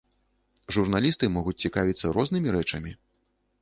Журналісты могуць цікавіцца рознымі рэчамі.